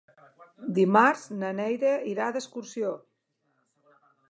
Dimarts na Neida irà d'excursió.